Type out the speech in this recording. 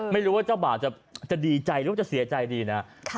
ไม่รู้ว่าเจ้าบ่าวจะดีใจหรือจะเสียใจดีนะ